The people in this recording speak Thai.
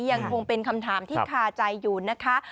ยังคงเป็นคำถามที่คาใจอยู่นะคะ